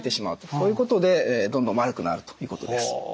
そういうことでどんどん悪くなるということです。